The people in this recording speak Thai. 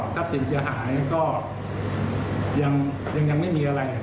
สินเสียหายก็ยังไม่มีอะไร